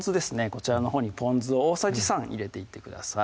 こちらにほうにぽん酢を大さじ３入れていってください